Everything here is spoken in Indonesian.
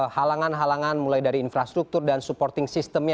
halangan halangan mulai dari infrastruktur dan supporting systemnya